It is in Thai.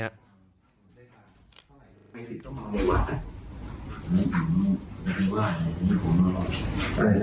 ใช้จ่ายอะไรครับ